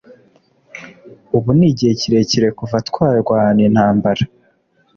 ubu ni igihe kirekire kuva twarwana intambara